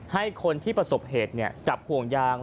ให้คนที่ประสบเหตุจับห่วงยาง